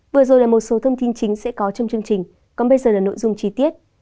vừa rồi là một số thông tin chính sẽ có trong chương trình còn bây giờ là nội dung chi tiết